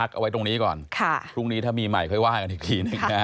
แต่ตรงนี้ไม่ใช่